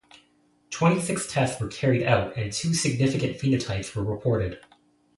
Twenty six tests were carried out and two significant phenotypes were reported.